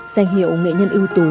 danh hiệu nghệ nhân ưu tú